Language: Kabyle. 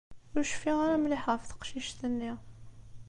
Ur cfiɣ ara mliḥ ɣef teqcict-nni.